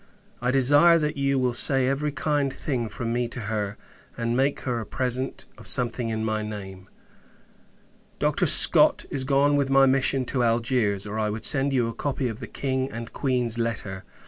I desire, that you will say every kind thing from me to her, and make her a present of something in my name. Dr. Scott is gone with my mission to Algiers, or I would send you a copy of the King and Queen's letter.